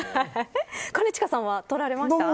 兼近さんは、撮られましたか。